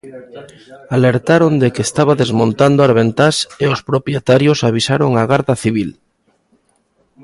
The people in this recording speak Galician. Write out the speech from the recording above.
Alertaron de que estaba desmontando as ventás e os propietarios avisaron a Garda Civil.